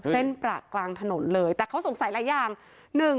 เส้นประกลางถนนเลยแต่เขาสงสัยหรือยัง